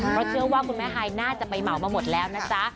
เพราะเชื่อว่าคุณแม่ฮายน่าจะไปเหมามาหมดแล้วนะจ๊ะ